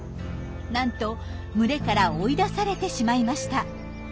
なんと群れから追い出されてしまいました。